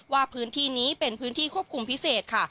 ว่าพื้นที่นี้เป็นพื้นที่ควบคุมพิเศษค่ะ